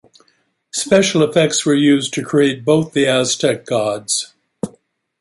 Special effects were used to create both the Aztec gods.